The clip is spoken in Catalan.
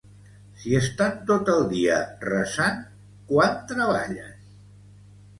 Si estan tot el dia resant quan treballen?